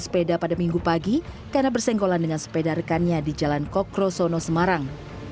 sepeda pada minggu pagi karena bersenggolan dengan sepeda rekannya di jalan kokrosono semarang